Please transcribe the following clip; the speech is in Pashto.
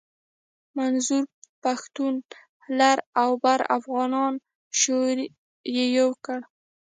منظور پښتون لر او بر افغانان شعوري يو کړل.